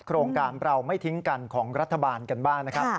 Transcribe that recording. โครงการเราไม่ทิ้งกันของรัฐบาลกันบ้างนะครับ